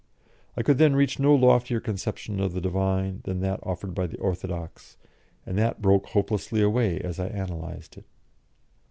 I could then reach no loftier conception of the Divine than that offered by the orthodox, and that broke hopelessly away as I analysed it.